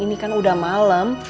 ini kan udah malem